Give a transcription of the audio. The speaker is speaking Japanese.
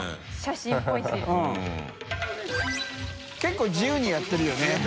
觜自由にやってるよね